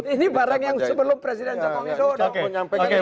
ini barang yang sebelum presiden jokowi